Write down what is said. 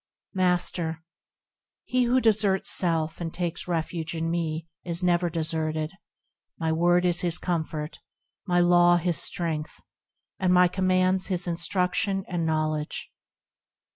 Master. He who deserts self, and takes refuge in me, is never deserted ; My Word is his comfort, My Law his strength, And my commands his Instruction and Knowledge.